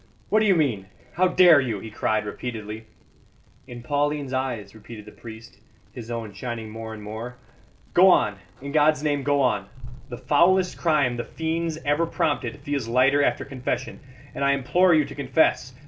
"What do you mean? How dare you?" he cried repeatedly. "In Pauline's eyes," repeated the priest, his own shining more and more. "Go on in God's name, go on. The foulest crime the fiends ever prompted feels lighter after confession; and I implore you to confess.